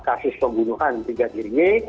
kasus pembunuhan tiga diri